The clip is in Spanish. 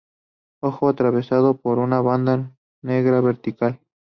Ojo atravesado por una banda negra vertical.